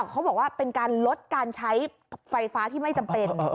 เขาบอกว่าเป็นการลดการใช้ไฟฟ้าที่ไม่จำเป็น